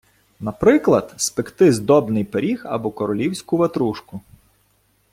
Наприклад, спекти здобний пиріг або королівську ватрушку.